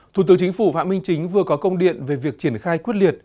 thủ tướng chính phủ phạm minh chính vừa có công điện về việc triển khai quyết liệt